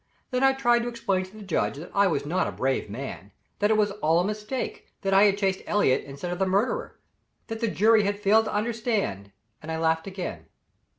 Then I tried to explain to the judge that I was not a brave man that it was all a mistake; that I had chased Elliott instead of the murderer; that the jury had failed to understand and I laughed again.